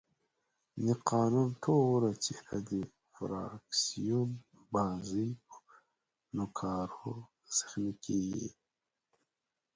د قانون ټوله څېره د فراکسیون بازۍ په نوکارو زخمي کېږي.